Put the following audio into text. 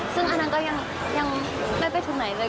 ซึ่งอันนั้นก็ยังไม่ไปถึงไหนเลย